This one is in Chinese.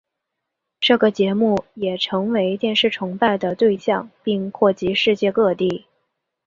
这个节目也成为电视崇拜的对象并扩及世界各地。